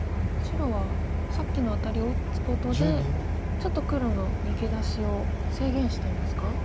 白はさっきのアタリを打つことでちょっと黒の逃げ出しを制限していますか？